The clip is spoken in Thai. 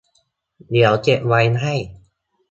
เดี๋ยวเก็บไว้ให้